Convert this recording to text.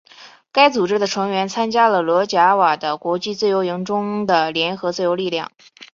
该组织的成员参加了罗贾瓦的国际自由营中的联合自由力量。